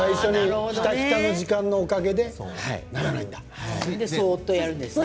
ひたひたの時間のおかげでならないんだ。